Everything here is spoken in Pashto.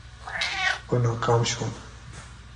خو ناکام شوم.